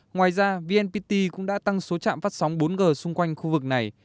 ngoài ra vnpt cũng đã tăng số trạm phát sóng bốn g xung quanh khu vực này